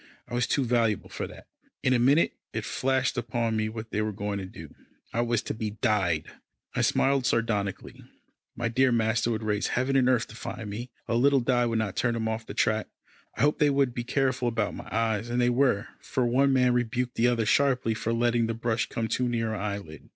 I was too valuable for that. In a minute, it flashed upon me what they were going to do. I was to be dyed. I smiled sardonically. My dear master would raise heaven and earth to find me. A little dye would not turn him off the track. I hoped they would be careful about my eyes, and they were, for one man rebuked the other sharply, for letting the brush come too near an eyelid.